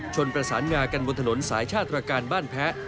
ชนประสานงากันบนถนนสายชาติตรการบ้านแพ้